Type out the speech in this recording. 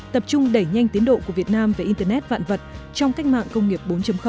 tập trung đẩy nhanh tiến độ của việt nam về internet vạn vật trong cách mạng công nghiệp bốn